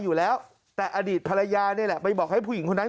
อยู่แล้วแต่อดีตภรรยานี่แหละไปบอกให้ผู้หญิงคนนั้น